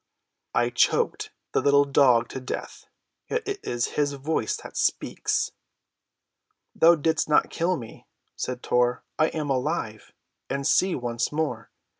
"I choked the little dog to death, yet it is his voice that speaks." "Thou didst not kill me," said Tor. "I am alive, and see once more.